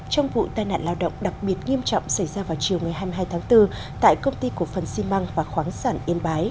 trong vụ tai nạn lao động đặc biệt nghiêm trọng xảy ra vào chiều hai mươi hai tháng bốn tại công ty cổ phần xi măng và khoáng sản yên bái